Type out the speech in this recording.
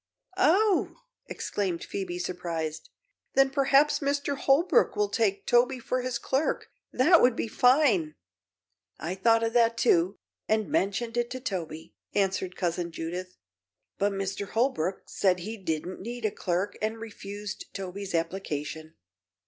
"Oh!" exclaimed Phoebe, surprised. "Then perhaps Mr. Holbrook will take Toby for his clerk. That would be fine!" "I thought of that, too, and mentioned it to Toby," answered Cousin Judith; "but Mr. Holbrook said he didn't need a clerk and refused Toby's application."